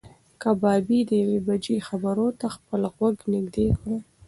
کبابي د یوې بجې خبرونو ته خپل غوږ نږدې کړ.